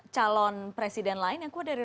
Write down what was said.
calon presiden lain yang kuat dari